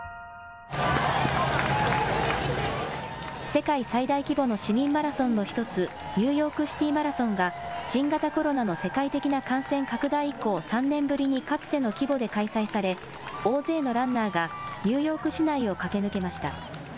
世界最大規模の市民マラソンの一つ、ニューヨークシティーマラソンが新型コロナの世界的な感染拡大以降、３年ぶりにかつての規模で開催され、大勢のランナーがニューヨーク市内を駆け抜けました。